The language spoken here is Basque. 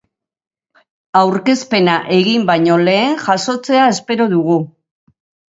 Aurkezpena egin baino lehen jasotzea espero dugu.